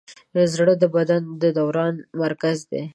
زړه د بدن د دوران مرکز دی.